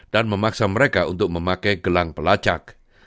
dan memaksa mereka untuk memakai gelang pelacak